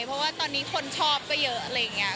เพราะว่าตอนนี้คนชอบก็เยอะอะไรอย่างนี้